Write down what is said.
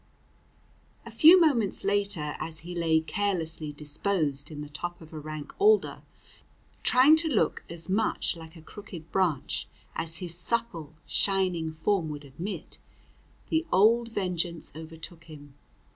A few moments later, as he lay carelessly disposed in the top of a rank alder, trying to look as much like a crooked branch as his supple, shining form would admit, the old vengeance overtook him.